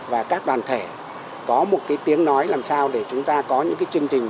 và các đoàn thể có một cái tiếng nói làm sao để chúng ta có những chương trình